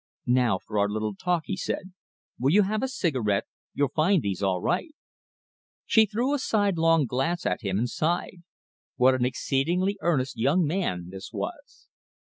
"Now for our little talk," he said. "Will you have a cigarette? You'll find these all right." She threw a sidelong glance at him and sighed. What an exceedingly earnest young man this was!